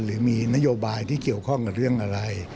หรือมีนโยบายที่เกี่ยวข้องกับเรื่องอะไร